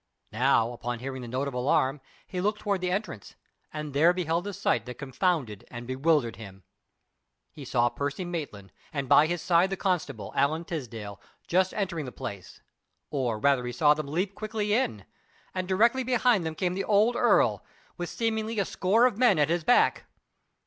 Now, upon hearing the note of alarm, he looked toward the entrance and there beheld a sight that confounded and bewildered him. He saw Percy Maitland, and by his side the constable, Allan Tisdale, just entering the place, or rather he saw them leap quickly in, and directly behind them came the old earl, with seemingly a score of men at his back.